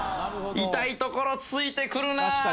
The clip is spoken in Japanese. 痛いところ突いてくるなぁ。